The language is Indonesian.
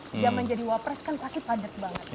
zaman jadi wapres kan pasti padat banget